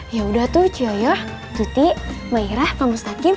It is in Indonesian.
ya udah tuh coyoh tuti mairah pak mustaqim